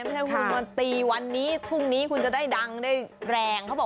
ไม่ใช่คุณมาตีวันนี้ทุ่งนี้คุณจะได้ดังได้แรง